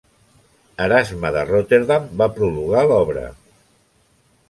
Erasme de Rotterdam va prologar l'obra.